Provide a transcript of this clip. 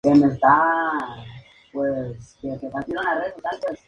En otros mitos Ariadna se ahorcó tras ser abandonada por Teseo.